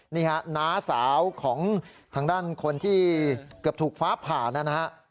นี่ฮะน้าสาวของทางด้านคนที่เกือบถูกฟ้าผ่านะฮะ